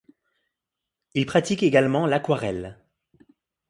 Il pratique également l'aquarelle.